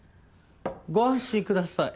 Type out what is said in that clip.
ご安心ください。